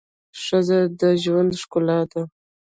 ښځه د ژوند ښکلا ده.